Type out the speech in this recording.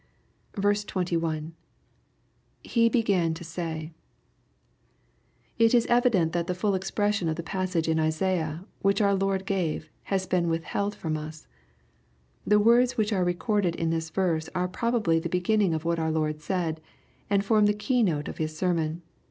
21. — [Be hegan to my,] It is evident that the full exposition of the passage in Isaiah, which our Lord gave, has been withheld from us. The words which are recorded in this verse are probably the beginning of what our Lord said, and form the key note of His sermon.